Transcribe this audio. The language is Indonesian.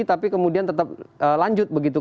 tapi kemudian tetap lanjut begitu